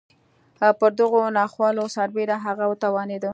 پر دغو ناخوالو سربېره هغه وتوانېده.